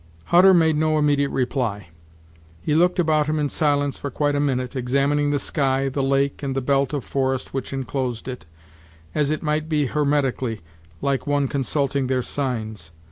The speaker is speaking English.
Hutter made no immediate reply. He looked about him in silence for quite a minute, examining the sky, the lake, and the belt of forest which inclosed it, as it might be hermetically, like one consulting their signs.